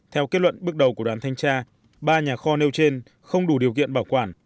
theo kết luận bước đầu của đoàn thanh tra ba nhà kho nêu trên không đủ điều kiện bảo quản